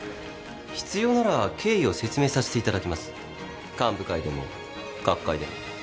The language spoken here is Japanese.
必要なら経緯を説明させていただきます幹部会でも学会でも。